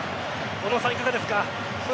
小野さん、いかがですか？